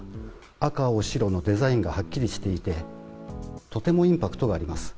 赤、白、青のデザインがはっきりしていてとてもインパクトがあります。